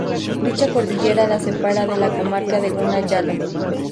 Dicha cordillera la separa de la comarca de Guna Yala.